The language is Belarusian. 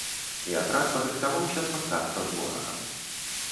І атрад падрыхтаваўся спаткацца з ворагам.